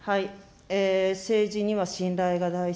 政治には信頼が大切。